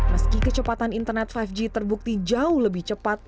meski kecepatan internet lima g terbukti jauh lebih cepat